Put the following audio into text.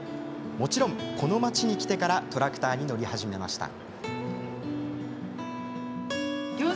もちろん、この町に来てからトラクターに乗り始めました。